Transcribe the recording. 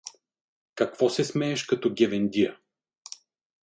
Какво се смееш като гевендия?